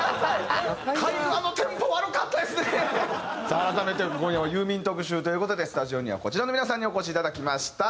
さあ改めて今夜はユーミン特集という事でスタジオにはこちらの皆さんにお越しいただきました。